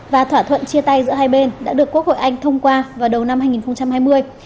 và thỏa thuận chia tay giữa hai bên đã được quốc hội anh thông qua vào đầu năm hai nghìn hai mươi